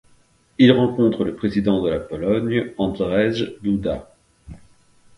Il rencontre le président de la PologneAndrzej Duda.